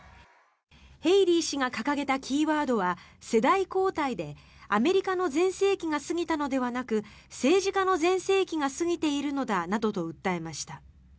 ヘイリー氏が掲げたキーワードは世代交代でアメリカの全盛期が過ぎたのではなく政治家の全盛期が過ぎているのだなどと訴えました。